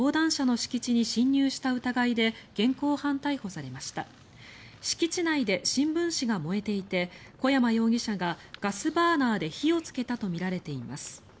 敷地内で新聞紙が燃えていて小山容疑者がガスバーナーで火をつけたとみられています。